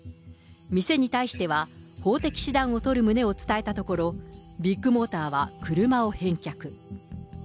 店に対しては、法的手段を取る旨を伝えたところ、ビッグモーターは車を返却。